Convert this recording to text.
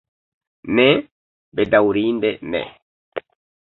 Ne, bedaŭrinde ne.